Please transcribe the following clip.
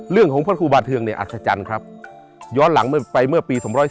พระครูบาเทืองเนี่ยอัศจรรย์ครับย้อนหลังไปเมื่อปี๒๔